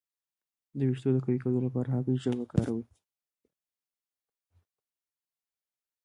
د ویښتو د قوي کیدو لپاره د هګۍ ژیړ وکاروئ